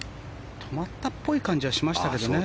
止まったっぽい感じはしましたけどね。